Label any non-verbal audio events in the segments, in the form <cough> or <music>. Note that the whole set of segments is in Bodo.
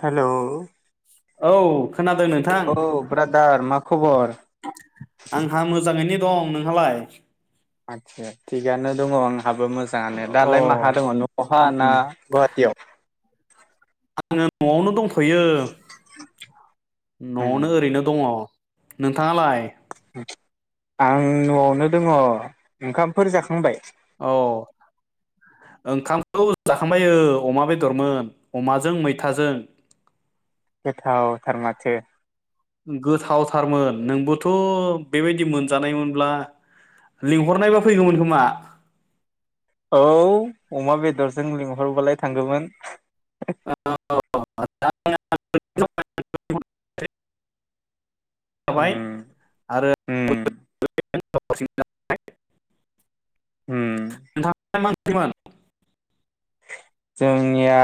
हेल' औ खोनादों नोंथां औ ब्रादार मा। खबर। आंहा मोजाङैनो दं नोंहालाय? आत्सा थिगानो दङ आं। आंहाबो मोजाङानो अ दालाय माहा दङ न' हा उम ना उम गुवाहाटीयाव? आङो न'आवनो दंथ यो उम न'आवनो ओरैनो दङ। नोंथाङालाय? आं न'आवनो दङ ओंखामफोर जाखांबाय। औ ओंखामखौ जाखांबाय ओ अमा बेदरमोन अमाजों मैथाजों। गोथाव थारमाथो। गोथावथारमोन नोंबोथ' बेबायदि मोनजानायमोनब्ला लिंहरनायबा फैगौमोन खोमा। औ अमा बेदरजों लिंहरबालाय थांगोमोन। <unintelligible> जाबाय उम उम। <unintelligible> उम नोंथांना मा ओख्रिमोन? जोंनिया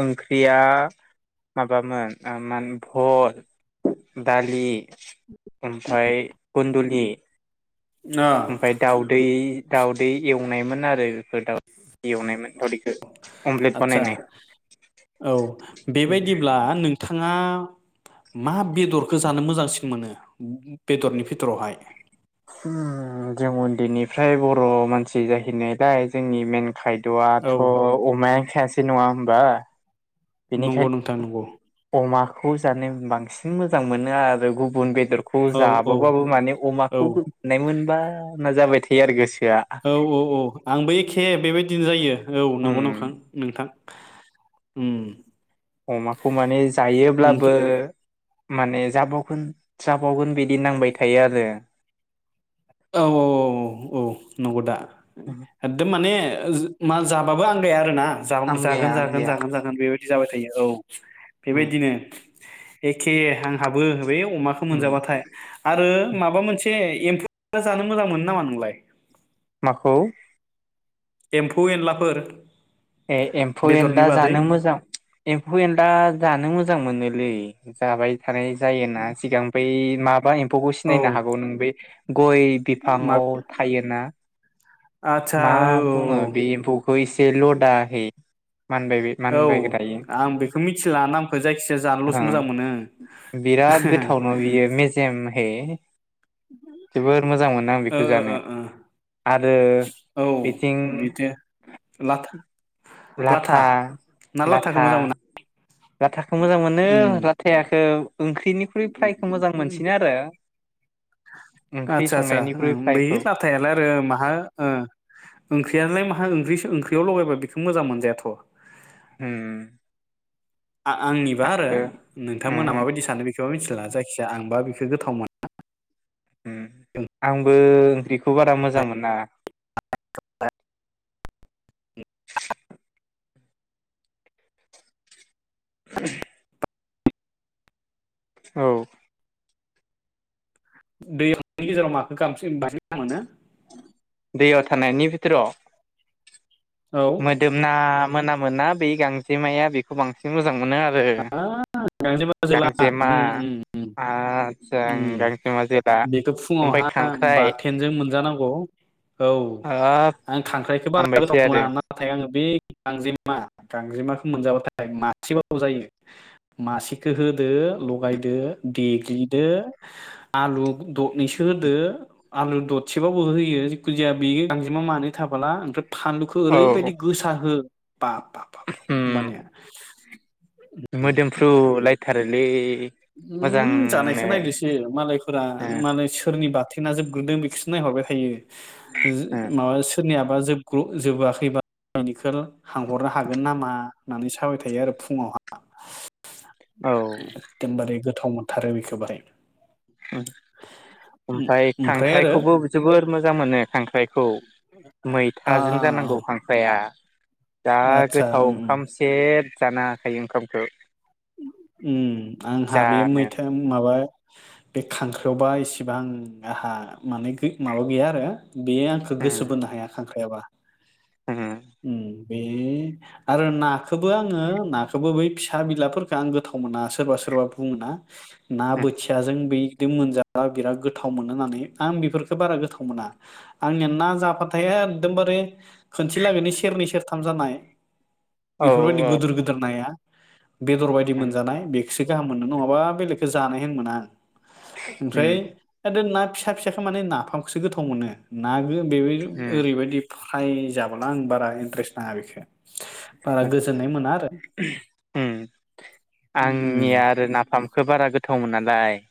ओंख्रिया माबामोन माने भल दालि ओमफ्राय कन्दुलि ए। अ ओमफाय दाउदै। दाउदै एवनायमोन आरो बेफोर दाउ एवनायमोन दावदै। आत्सा औ बेबायदिब्ला नोंथाङा मा बेदरखौ जानो मोजांसिन मोनो बेदरनि भितुरावहाय? उम जों उन्दैनिफ्राय बर' मानसि जाहैनायलाय जोंनि मेन औ खायदाथ' अमाया खासि नङा होमबा। नंगौ नोंथां नंगौ बेनिखायनो अमा। खौ जानो बांसिन मोजां मोनो आरो गुबुन बे बेदरखौ औ औ जाबावबाबो माने औ अमाखौ गोम <unintelligible> <unintelligible> जाबाय थायो आरो गोसो औ औ औ आंबो एखे बेबायदि <unintelligible> जायो। औ नंगौ नंखां नोंथां। उम। अमाखौ माने जायोब्लाबो ओमफ्राय माने जाबावगोन जाबावगोन बिदि नांबाय थायो आरो। औ औ औ औ नंगौ दा एकदम माने ओ मा जाबाबो आंगाया आरो ना, जागौमोन जागोन आमगाया जागोन आमगाया जागोन जागोन बेबायदि जाबाय थायो औ। उम बेबायदिनो एखे आंहाबो बे अमाखौ उम मोनजाबाथाय आरो माबा मोनसे एम्फु जानो मोजां मोनो नामा नोंलाय? माखौ? एम्फौ एनलाफोर। ए एम्फौ बेदरनि एनला बादै जानो मोजां एम्फौ एनला जानो मोजां मोनो लै जाबाय थानाय जायोना सिगां बै माबा एम फौबखौ औ सिनायनो हागौ नों बै गय मा बिफाङाव थायोना आदसा मा औ बुङो बे एम्फौखौ एसे लद <inaudible> औ आं बेखौ मिथिला नामखौ जायखिजाया ओ जानल'सो मोजां मोनो आङो। हे। जोबोर मोजां मोनो आं ओ बेखौ जानो ओ ओ आरो ओ औ बिथिं बिदि लाथा लाथा ना लाथाखौ लाथा मोजां मोना लाथाखौ मोजां मोनो लाथायाखौ ओंख्रिनिख्रुइ ओम फ्रायखौ मोजां ओम ओम मोनसिनो आरो ओंख्रि आदसा आदसा संनायनिख्रुइ ओ बै फ्रायखौ लाथायालाय आरो माहा ओ ओंख्रियाालाय माहा ओंख्रि ओंख्रियाव लगायबा बेखौ मोजां मोनजायाथ' ओम। आ-आंनिबा आरो उम नोंथांमोना उम माबायदि सानो बे बेखौ मिथिला जायखिजाया आंबा बेखौ गोथाव मोना। ओम आंबो ओंख्रि खौ बारा मोजां मोना <unintelligible> <unintelligible> औ दैनि गेजेराव माखौ <unintelligible> बांसिन मोनो दैयाव थानायनि बिथोराव औ मोदोमना मोनामोना बै गांजेमाया बेखौ बांसिन मो हाब गांजेमा जोला गांजेमा ओम ओम आदसा आं ओम गांजेमा जोला बेखौ ओमफ्राय फुङावहाय खांख्राइ बाथेनजों मोनजानांगौ औ हाब आं खांख्राइखौ बारा हामबायसै गोथाव आरो मोना नाथाय आङो बे गांजेमा गांजेमाखौ मोनजाबाथाय मासेबाबो जायो मासेखौ होदो लगायदो देग्लिदो आलु दरनैसो होदो आलु दरसेबाबो होयो जिखुजाया बे गांजेमा मानै थाबोला ओमफ्राय फानलुखौ औ ओरैबायदि गोसा हो बाब बाब बाब उम होमबानिया <inaudible> मोदोमफ्रु लायथारोलै उम मोजांनो जानायखौ नायदोसो ओ थिना जोबग्रोदों बेखौसो नायहरबाय थायो। जो उम माबा सोरनिया बा जोबग्र जोबाखैबा <unintelligible> हांहरनो हागोन नामा होननानै साबाय थायो आरो फुङावहा <unintelligible> औ एगदमबारे गो थाव मोनथारो बेखौ बारै ओमफ्राय खांख्राइखौबो जोबोर मोजां मोनो खांख्राइ औ आ मैथाजों जानांगौ खांख्राया दा आदसा गोथाव उम उम ओंखाम सेब जानो हाखायो ओंखामखो उम आंहा बे मैथा माबा बे खांख्राइयावबा इसेबां आंहा माने गो माबा गैया आरो बेयो आंखौ उम गोसो बोनो हाया खांख्राइयाबा उम बे आरो नाखोबो आङो नाखौबो बै फिसा बिलाफोर आं गोथाव मोना सोरबा सोरबा बुङोना ना बोथियाजों बै दि मोनजाबा बिराद गोथाव मोनो होननानै आं बेफोरखो बारा गोथाव मोना आंनिया ना जाफाथाय एखदमबारे खनसेलागैनि सेरनै सेरथाम जानाय औ बेफोरबायदि औ गोदोर गोदोर नाया बेदर उम मोनजानाय बेखोसो गाहाम मोनो नङाबा बेलेग खौ जानाय हेन मोना उम ओमफ्राय आरो ना फिसा फिसाखो माने नाफामखौसो गोथाव मोनो ना बेबायदि उम ओरैबायदि फ्राय जाबोला आं बारा इन्ट्रेस्ट नाङा बेखो बारा आतसा गोजोननाय मोना आरो। उम आंनि उम आरो नाफामखो बारा गोथावमोनालाय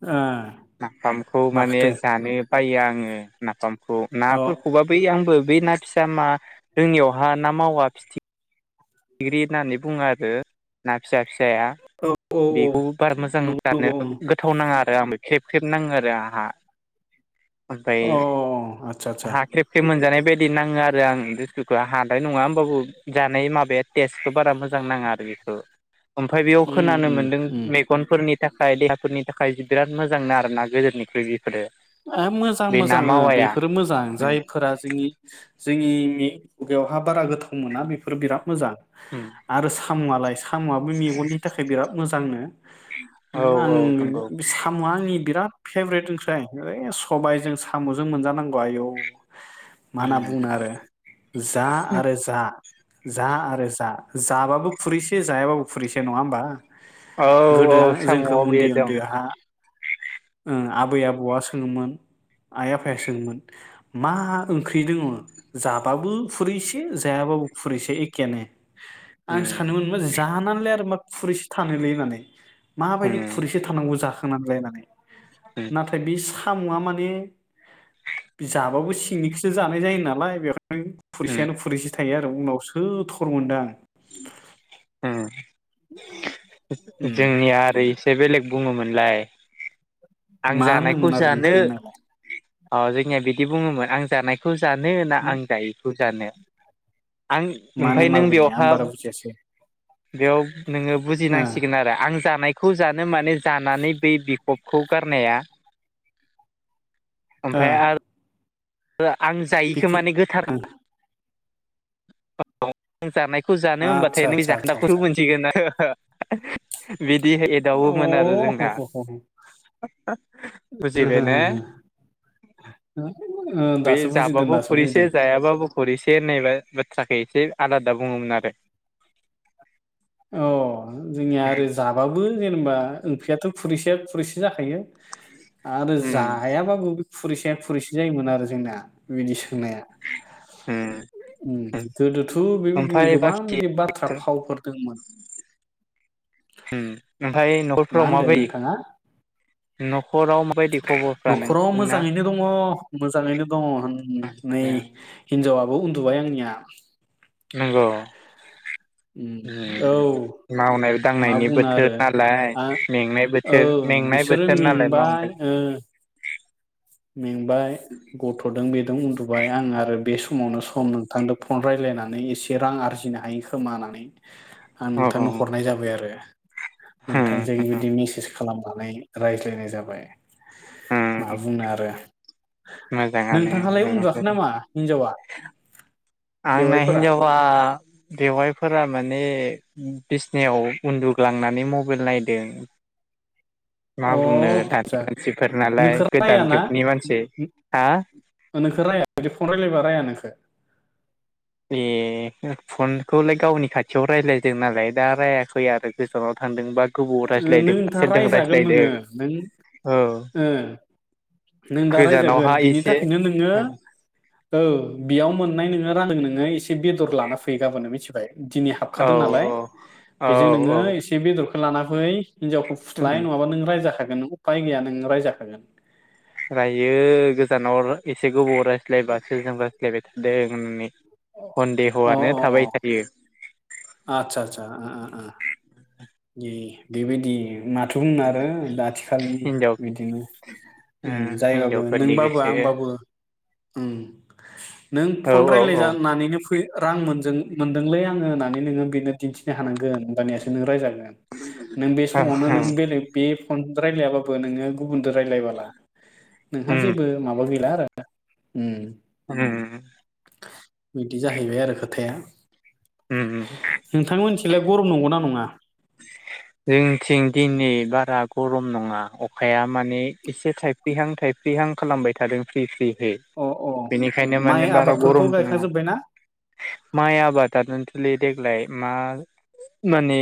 आ नाफामखौ माने जानो बायो आङो नाफाम खौ अ नाफोरखौबा बै आंबो बै ना फिसा मा जोंनियावहा ना मावा फिथि थिग्रि होननानै बुङो आरो ना फिसा फिसाया औ औ औ बेखौ बारा मोजां नंगौ जानो नंगौ गोथाव नाङा आरो आं। खेबख्रेब नाङो आरो आहा। ओमफ्राय ओं अ आदसा आदसा हाख्रेब ख्रेब मोनजानाय बेबायदि नाङो आरो आं बुस्थुखौ हालाय नङा होमबाबो जानाय माबाया टस्खौ बारा बु मोजां नाङा आरो बेखौ ओमफाय बेयाव उम खोनानो मोनदों उम उम मेगनफोरनि थाखाय देहाफोरनि थाखाय बिराद मोजां नो आरो ना गोदोनिख्रुइ बियो ओ मोजां मोजां बेफोरो मोजां उम जायफोरा जोंनि जोंनि नि खुगायावहा बारा गोथाव मोना बेफोर बिरा मोजां उम आरो सा सामुआलाय खाम'आबो मेगननि थाखाय बिराद मोजां दांनो औ आं औ नंगौ साम'आ आंनि बिराद फेवरेट ओमफ्राय ओइ स'बायजों साम'जों मोनजानांगौ आयौ मा ना उम बुंनो आरो जा आरो जा जा आरो जा जाबाबो खुरैसो जायाबाबो खुरैसो नङा होमबा औ औ गोदो आं साम'आव बे दं ओ आबै आबुवा मोन आइ आफाया सोङोमोन मा ओंख्रि दोङो जाबाबो खुरैसे जायाबाबो खुरैसे एकेयानो आं उम सानोमोन मा जानान आरोलाय मा खुरैसे थानोलै नानै उम माबायदि खुरैसे थानांगौ जाख थाना लाय होननानै उम नाथाय बि सा साम'आ माने जाबाबो सिंनिखोसो जानाय जायो नालाय बे ओइ उम खुरसियानो खुरिसे थायो आरो उनावसो थर मोनदों आं <inaudible> <inaudible> उम जोंनिया आरो इसे बेलेग बुङोमोन लाय मा होनोमोन आरो नोंथांमोनालाय? ओ जोंनिया बिदि बुङोमोन आं जानायखौ जानो ना आं जायिखौ जानो? आं माने ओमफाय मा नों बेलाय आं बेयावहा बारा बुजियासै बेयाव नोङो ओ बुजिनांसिगोन आरो आं जानाय खौ जानो माने जानानै बै बिखबखौ गारनाया ओ ओमफाय आर ओआ आं जायैखो बेखि माने ओ गोथारा <unintelligible> जानाय खौ जानो होनबाथाय आतसा नों बे आतसा आतसा जाखदाखौल आतसा मोनसिगोन आरो हो बिदि अ एदावोमोन आरो जोंना बुजिदो ह ना? ह ह ओ बे दासो बुजिदों जाबाबो दासो खरिसे बुजिदों जायाबाबो खरिसे होननाया बाथ्राखै जे आलादा बुङोमोन आरो औ जोंनिया आरो जाबाबो जेनेबाओंख्रियाथ' फुरैसेया फुरैसे जाखायो आरो उम जायाबाबो फुरैसेया फुरैसेजायोमोन आरो जोंना बिदि सोंनाया। उम गोदोथ' बेबायदिनो ओमफ्राय गोबां बाखि बिदि बाथ्रा फावफोर <inaudible> ओम। मा होनदों नोंथाङा? न'खराव माबायदि खबरफ्रा न'खराव नोंसोरना? मोजाङैनो दङ मोजाङैनो दङ होन नै उम हिनजावा औ उनदुबाय आंनिया। नंगौ। उम औ मावनाय मा दांनायनि बुंनो बोथोर आरो नालाय आ मेंनाय औ बोथोर मेंनाय बिसोरो बोथोर नालाय मेंबाय मावनो ओ मेंबाय गथ'दों बेदों उन्दुबाय आं आरो बे सम समावनो सम नोंथांजों फन रायज्लायनानै एसे रां आरजिनो हायो खोमा होननानै आं औ औ नोंथांनो हरनाय जाबाय आरो नोंथांजों उम बिदि मेसेज खालाम रायज्लायनाय जाबाय। मा उम बुंनो आरो मोजाङानो नोंथाङालाय उन्दुआखै मोजां नामा हिनजावा? आंना बेवाइफोरा हिनजावा बेवहायफोरा माने बिसनायाव उन्दुग्लांनानै मबाइल नायदों। मा अ बुंनो दानि आस्सा मानसिफोर नालाय नोंख गोदान रायाना जुगनि मानसि हा नोंख रायाया जुदि फन रायलायबा रायाना? ओ <inaudible> ए फनखौलाय गावनि खाथियाव राय्लायदों नालाय दा रायाखै आरो गोजानाव थांदोंबा नोंथाङा रायजागोन नोङो नों औ ओ नों दा रायजागोन गोजानावहा बिनि एसे थाखायनो नोङो औ बेयाव मोननाय नोङो रांदों नोङो एसे बेदर लाना फै गाबोननो मिथिबाय। दिनै औ हाबखादों नालाय औ बेजों नोङो औ एसे बेदरखौ खो‌ लाना फै हिन्जावखौ फुस्लाय नङाबा नों रायजा खा गोन उफाय गैया नों रायजाखागोन। रायो गोजानाव एसे गोबाव रायज्लायबा सोरजों रायज्लायबाय था दों होन्नानै। सन्देहआनो थाबाय थायो। आतसा आतसा ओ ओ। ए बेबायदि माथो बुंनो आरो दा आथिखालनि हिनजाव बिदिनो ओ जायबाबो हिनजावफोरनि नोंबाबो गोसो आंबाबो उम नों औ फन औ औ रायलायजानानैनो फै रां मोनजों मोनदोंलै आङो होननानै नोङो बेनो दिन्थिनो हानांगोन होनबानियासो नों रायजागोन। नों बे समावनो नों उम बेलेग बे फन रायलायाबाबो नोङो गुबुनजों रायलाय बाला नोंहा जेबो माबा गैला आरो। उम। उम। बिदि जाहैबाय आरो खोथाया। उम नोंथांनि मोनथिंलाय गरम नंगौना नङा। जोंथिं दिनै बारा गरम नङा अखाया माने एसे थाइफ्रिहां थायफ्रिहां खालामबाय थादों फ्रि फ्रि हि अ अ बेनिखायनो माइ माने बारा आबादफोरखौ गरमबो नङा गायखाजोब्बायना माइ आबादनो थ'लै देग्लाय मा माने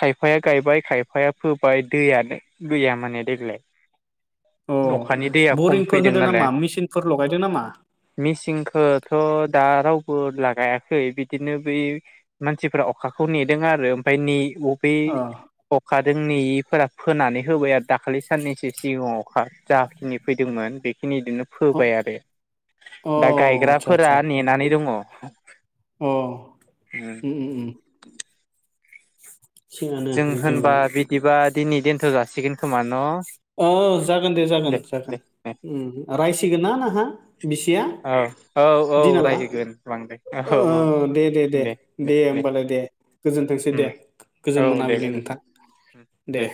खाय खायफाया गायबाय खायफाया फोबाय दैयानो गैया माने देग्लाय अ अखानि दैया खम बरिंफोर फैदों होदो नामा नालाय मेचिनफोर लगायदो नामा मिसिनखौथ' दा राव फोर लागायाखै बिदिनो बै मानसिफ्रा अखाखौ नेदों आरो ओमफ्राय ने अ। बे अ अखा जोंनिफोरा फोनानै होबाय आरो। दाखालि साननैसो सिगाङाव अखा जाखिनि फैदोंमोन। बेखिनि बिदिनो अ फोबाय आरो अ दा आदसा गायग्राफोरा आदसा नेनानै दङ। अ उम <unintelligible> ओ उम उम <inaudible> जों होनबा बिदिबालाय बिदिबा दिनै दोनथ'जा सिगोन‌ खोमा न' ओ जागोन दे जागोन जागोन दे दे ओं रायस <unintelligible> बिसिया औ औ औ दिनाबा रायगोन बांद्राय औ अ औ दे दे दे दे होमबालाय दे गोजोनथोंसै दे गोजोन औ दे मोनाबिलि गोजोनथों नोंथां दे।